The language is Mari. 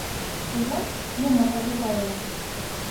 Ужат, мом Матра кока ойла».